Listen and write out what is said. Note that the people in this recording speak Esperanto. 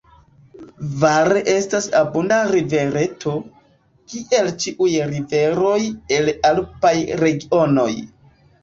Var estas abunda rivereto, kiel ĉiuj riveroj el alpaj regionoj.